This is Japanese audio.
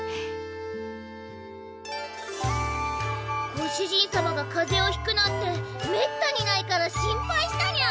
ご主人様がかぜをひくなんてめったにないから心配したにゃ。